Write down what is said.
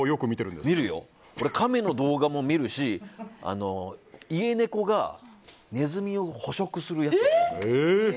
俺、カメの動画も見るし家猫がネズミを捕食するやつとか。